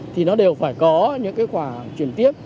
thì nó đều phải có những cái quả chuyển tiếp